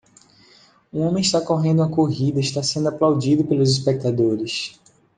O homem está correndo uma corrida está sendo aplaudido pelos espectadores.